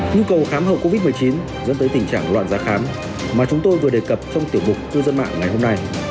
nhu cầu khám hậu covid một mươi chín dẫn tới tình trạng loạn giá khám mà chúng tôi vừa đề cập trong tiểu mục cư dân mạng ngày hôm nay